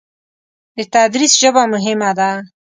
د تدریس ژبه مهمه ده.